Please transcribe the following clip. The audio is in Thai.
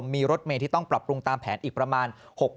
มีรถเมย์ที่ต้องปรับปรุงตามแผนอีกประมาณ